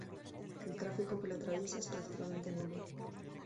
El tráfico que la atraviesa es prácticamente nulo.